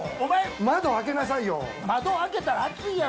窓開けなさいよ。